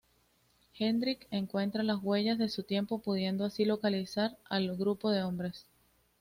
Hendrik encuentra las huellas de su trineo pudiendo así localizar al grupo de hombres.